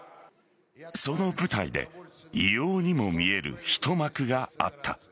その舞台で異様にも見える一幕があった。